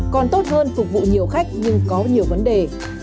còn tốt hơn phục vụ nhiều khách nhưng có nhiều vấn đề